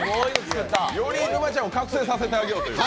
より沼ちゃんを覚醒させてあげようという。